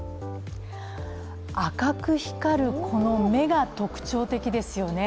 赤く光るこの目が特徴的ですよね。